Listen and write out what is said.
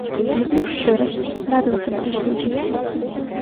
Люблю шчырасць, радавацца будуць людзі.